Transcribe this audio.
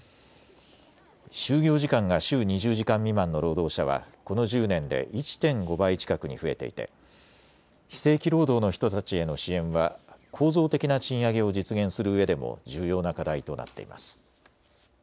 就業時間が週２０時間未満の労働者はこの１０年で１．５倍近くに増えていて非正規労働の人たちへの支援は構造的な賃上げを実現するうえでも重要な課題となっています。